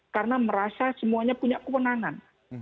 karena merasa semuanya punya kewenangan